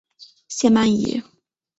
谢曼怡。